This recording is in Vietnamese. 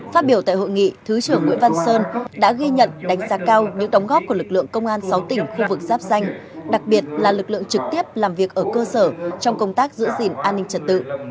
phát biểu tại hội nghị thứ trưởng nguyễn văn sơn đã ghi nhận đánh giá cao những đóng góp của lực lượng công an sáu tỉnh khu vực giáp danh đặc biệt là lực lượng trực tiếp làm việc ở cơ sở trong công tác giữ gìn an ninh trật tự